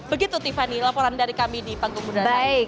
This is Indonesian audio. begitu tiffany laporan dari kami di panggung bunda nhi